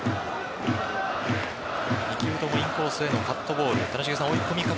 ２球ともインコースへのカットボール。